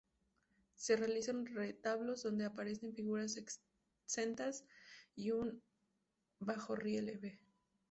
Se realizan retablos, donde aparecen figuras exentas y en bajorrelieve.